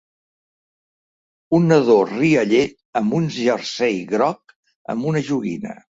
Un nadó rialler amb un jersei groc amb una joguina.